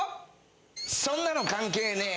そんなの関係ねえ！